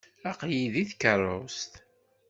Aql-iyi deg tkeṛṛust.